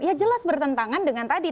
ya jelas bertentangan dengan tadi